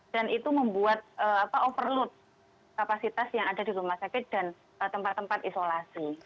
dan itu membuat overload kapasitas yang ada di rumah sakit dan tempat tempat isolasi